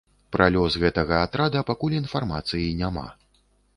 Пра лёс гэтага атрада пакуль інфармацыі няма.